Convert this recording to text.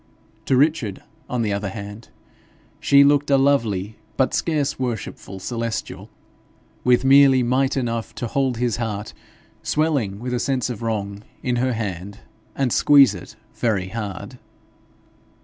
To Richard, on the other hand, she looked a lovely but scarce worshipful celestial, with merely might enough to hold his heart, swelling with a sense of wrong, in her hand, and squeeze it very hard.